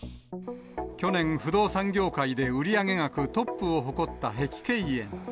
去年、不動産業界で売り上げ額トップを誇った碧桂園。